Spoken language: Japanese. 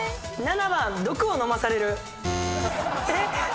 ７番毒を飲まされる。